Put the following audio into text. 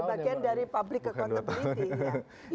ya itu bagian dari publik ke konten beriti